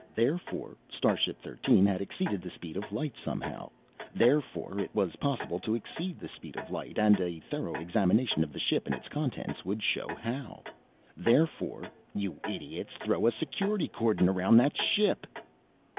Therefore, starship Thirteen had exceeded the speed of light somehow. Therefore, it was possible to exceed the speed of light, and a thorough examination of the ship and its contents would show how. Therefore.... You idiots, throw a security cordon around that ship!